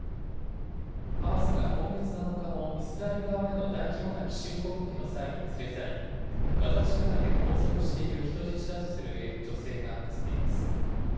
ハマスが今月７日のイスラエル側への大規模な奇襲攻撃の際に連れ去り、ガザ地区内で拘束している人質だとする女性が写っています。